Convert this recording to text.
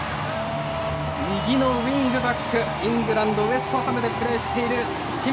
右のウィングバックイングランドウェストハムでプレーしている清水